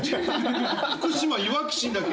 福島・いわき市だけ。